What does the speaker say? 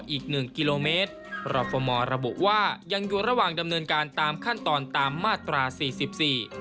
อีกหนึ่งกิโลเมตรรอฟมระบุว่ายังอยู่ระหว่างดำเนินการตามขั้นตอนตามมาตราสี่สิบสี่